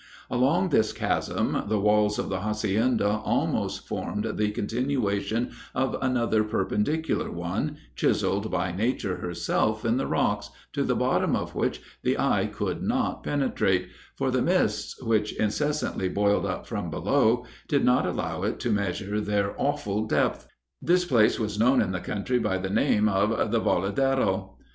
Along this chasm, the walls of the hacienda almost formed the continuation of another perpendicular one, chiselled by nature herself in the rocks, to the bottom of which the eye could not penetrate, for the mists, which incessantly boiled up from below, did not allow it to measure their awful depth. This place was known, in the country, by the name of 'the Voladero.'"